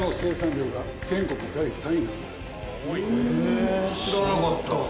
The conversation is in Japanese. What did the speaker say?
へぇ知らなかった。